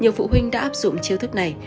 nhiều phụ huynh đã áp dụng chiếu thức này